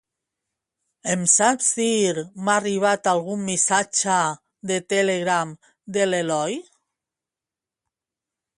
Em saps dir m'ha arribat algun missatge de Telegram de l'Eloi?